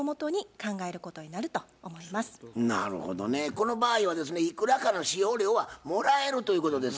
この場合はですねいくらかの使用料はもらえるということです。